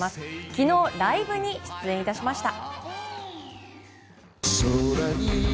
昨日ライブに出演致しました。